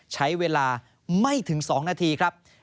ใช้เวลาไม่ถึง๒นาทีครับ